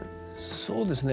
そうですね。